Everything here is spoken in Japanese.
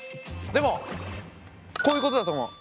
でもこういうことだと思う。